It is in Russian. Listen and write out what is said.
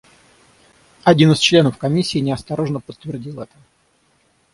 Один из членов комиссии неосторожно подтвердил это.